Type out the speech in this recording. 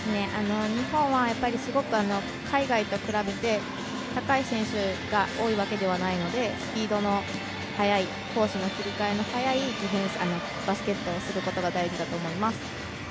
日本はすごく海外と比べて高い選手が多いわけではないのでスピードの速いコースの切り替えの速いバスケットをすることが大事だと思います。